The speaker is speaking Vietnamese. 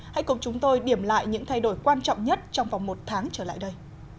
hãy cùng chúng tôi điểm lại những thay đổi quan trọng nhất trong vòng một tháng trở lại đây